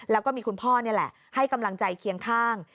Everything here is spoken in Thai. แล้วก็มีคุณพ่อนี่แหละให้กำลังใจเคียงข้าง